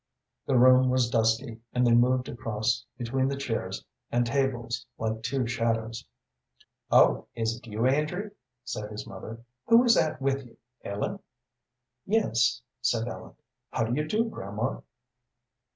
The room was dusky, and they moved across between the chairs and tables like two shadows. "Oh, is it you, Andrew?" said his mother. "Who is that with you Ellen?" "Yes," said Ellen. "How do you do, grandma?"